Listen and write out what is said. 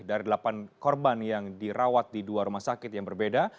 dari delapan korban yang dirawat di dua rumah sakit yang berbeda